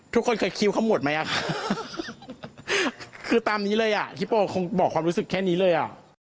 ทุกคนเคยคิวเขาหมดไหมอ่ะคือตามนี้เลยอ่ะฮิปโปคงบอกความรู้สึกแค่นี้เลยอ่ะ